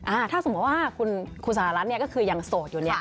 ถ้าสมมุติว่าคุณสหรัฐเนี่ยก็คือยังโสดอยู่เนี่ย